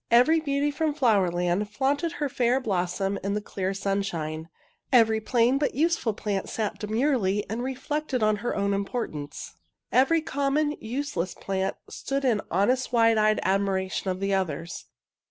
Every beauty from Flower Land flaunted her fair blossom in the clear sunshine. Every plain but useful plant sat demurely and re flected on her own importance. Every com mon, useless plant stood in honest wide eyed admiration of the others.